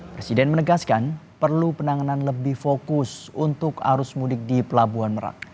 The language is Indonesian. presiden menegaskan perlu penanganan lebih fokus untuk arus mudik di pelabuhan merak